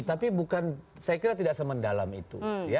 saya kira tidak semen dalam itu